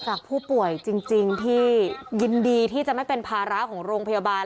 จากผู้ป่วยจริงที่ยินดีที่จะไม่เป็นภาระของโรงพยาบาล